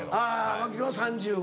槙野は３５。